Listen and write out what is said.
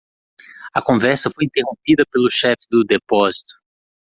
A conversa foi interrompida pelo chefe do depósito.